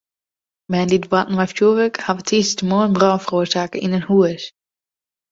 Bern dy't boarten mei fjoerwurk hawwe tiisdeitemoarn brân feroarsake yn in hús.